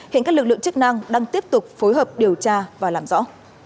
hiện các lực lượng chức năng đang tiếp tục phối hợp điều tra và làm rõ